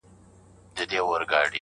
چې یو عاقل انسان یې په لیدو شرمېږي